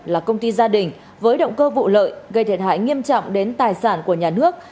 là công ty gia đình với động cơ vụ lợi gây thiệt hại nghiêm trọng đến tài sản của nhà nước